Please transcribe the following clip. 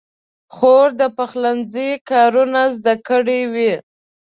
خور د پخلنځي کارونه زده کړي وي.